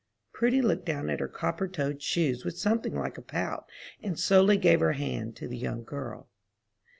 Prudy looked down at her copper toed shoes with something like a pout, and slowly gave her hand to the young girl.